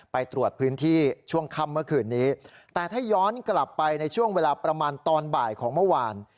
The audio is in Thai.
ไปตรวจพื้นที่ช่วงค่ำเมื่อคืนนี้แต่ถ้าย้อนกลับไปในช่วงเวลาประมาณตอนบ่ายของเมื่อวาน